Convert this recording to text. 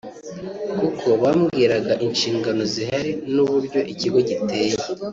kuko bambwiraga inshingano zihari n’uburyo ikigo giteye